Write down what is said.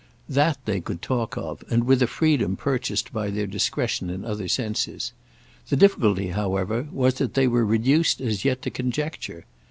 That they could talk of, and with a freedom purchased by their discretion in other senses. The difficulty however was that they were reduced as yet to conjecture.